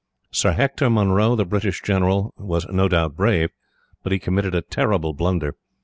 Sir Hector Munro, the British general, was no doubt brave, but he committed a terrible blunder.